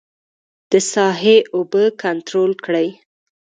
د ساحې اوبه کنترول کړي.